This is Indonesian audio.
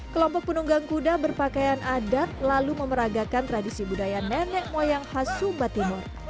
kelompok penunggang kuda berpakaian adat lalu memeragakan tradisi budaya nenek moyang khas sumba timur